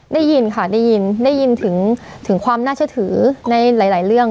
ได้ยินค่ะได้ยินได้ยินถึงถึงความน่าจะถือในหลายหลายเรื่อง